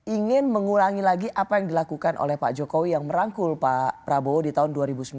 ingin mengulangi lagi apa yang dilakukan oleh pak jokowi yang merangkul pak prabowo di tahun dua ribu sembilan belas